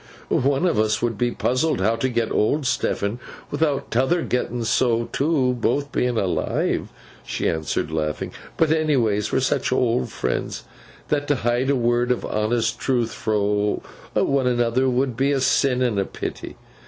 'One of us would be puzzled how to get old, Stephen, without 't other getting so too, both being alive,' she answered, laughing; 'but, anyways, we're such old friends, and t' hide a word of honest truth fro' one another would be a sin and a pity.